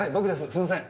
すいません。